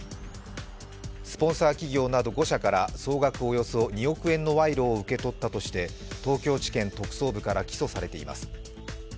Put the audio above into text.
スポンサー企業など５社から総額およそ２億円の賄賂を受け取ったとして東京地検特捜部から起訴されています。